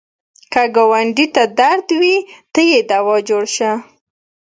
که ګاونډي ته درد وي، ته یې دوا جوړ شه